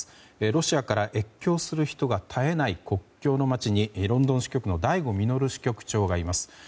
ロシアから越境する人が絶えない国境の街にロンドン支局の醍醐穣支局長がいます。